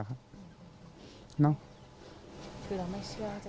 คือเราไม่เชื่อ